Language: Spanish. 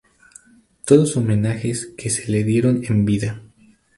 Todos homenajes que se le dieron en vida.